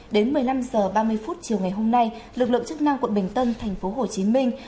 đến một mươi năm h ba mươi phút chiều ngày hôm nay lực lượng chức năng quận bình tân thành phố hồ chí minh